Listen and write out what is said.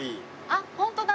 あっホントだ。